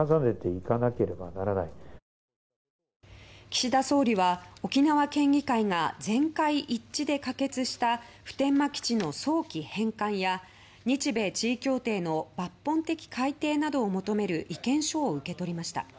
岸田総理は沖縄県議会が全会一致で可決した普天間基地の早期返還や日米地位協定の抜本的改定などを求める意見書を受け取りました。